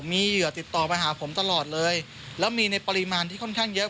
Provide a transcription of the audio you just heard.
มีเหยื่อติดต่อไปหาผมตลอดเลยแล้วมีในปริมาณที่ค่อนข้างเยอะ